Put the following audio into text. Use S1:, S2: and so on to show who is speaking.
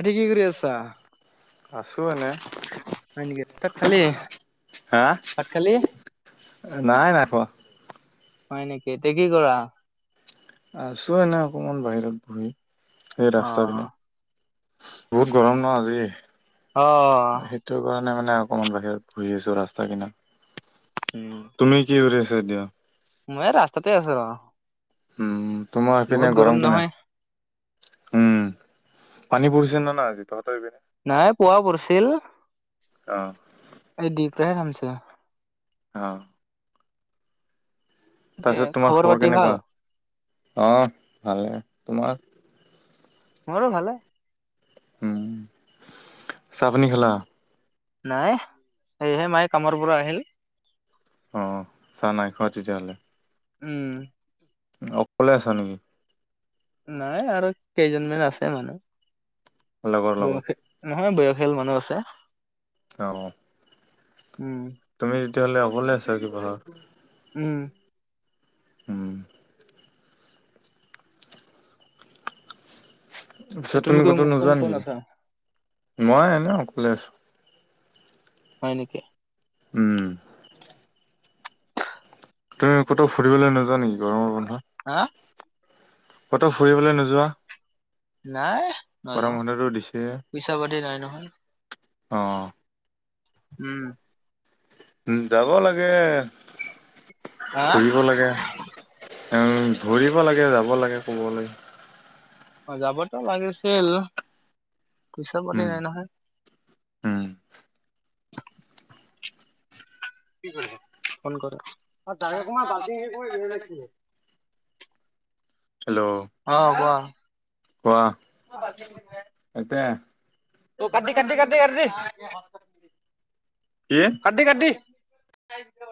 S1: আটি কি কৰি আছা
S2: আছো এনে
S1: হয় নিকি তৎ খালি
S2: হা?
S1: ভাত খালি
S2: নাই নাই খোৱা
S1: হয় নেকি এতি কি কৰা
S2: আছো এনে অকমান বাহিৰত বহি সেই
S1: অ
S2: ৰাস্তা পিনে বহুত গৰম ন আজি।
S1: অ
S2: সেইটো কাৰণে মানে অকণমান বাহিৰত ঘুৰি আছো ৰাস্তা কিনাৰত।
S1: উম,
S2: তুমি কি কৰি আছা এতিয়া।
S1: মই ৰাস্তাতে আছো অ,
S2: তোমাৰ হেপিনে গৰম কেনে। উম পানী পৰিছে নে নাই আজি তহঁতৰ এপিনে।
S1: নাই পুৱা পৰিছিল।
S2: অ,
S1: এই দি [unintelligible]
S2: অ
S1: দে
S2: তাৰপিছত তোমাৰ খবৰ
S1: পাতি ভাল?
S2: কেনেকুৱা অঁ ভালে তোমাৰ।
S1: মোৰো ভালে।
S2: উম চাপানি খালা।
S1: নাই সেয়েহে মায়ে কামৰ পৰা আহিল।
S2: অঁ চাহ নাই খোৱা তেতিয়া হ'লে।
S1: উম
S2: অকলে আছা নেকি।
S1: নাই আৰু কেইজনমান আছে
S2: লগৰ
S1: মানুহ
S2: লগত
S1: বয়স নহয় বয়শিয়াল মানুহ আছে।
S2: অঁ,
S1: উম,
S2: তুমি তেতিয়াহ'লে অকলে আছা আজি ঘৰত।
S1: উম
S2: উম
S1: তে
S2: তাৰপিছত তুমি
S1: কোন
S2: কতো
S1: কোন
S2: নোযোৱা
S1: কোন আছা?
S2: নেকি মই এনে অকলে আছোঁ।
S1: হয় নেকি।
S2: উম, তুমি কতো ফৰিবলৈ নোযোৱা নেকি গৰমৰ বন্ধত।
S1: হা,
S2: ক'তো ফুৰিবলৈ নোযোৱা।
S1: নাই
S2: গৰম
S1: নাযাও
S2: বন্ধটো দিছে।
S1: পইচা পাতি নাই নহয়।
S2: অ,
S1: উম
S2: উ যাব লাগে
S1: হা
S2: ফুৰিব লাগে। উ ধৰিব লাগে যাব লাগে কবালে।
S1: অ যাবতো লাগিছিল পইচা পাতি
S2: উম,
S1: নাই নহয়।
S2: উম,
S1: কি কৰি ফোন কৰিম বাতি কৰি কি,
S2: হেল্ল',
S1: অ কোৱা।
S2: কোৱা।
S1: [unintelligible]
S2: [unintelligible]
S1: কাটিদে কাটিদে কাটিদে কাটিদে,
S2: কি?
S1: কাটিদে কাটিদে। [unintelligible]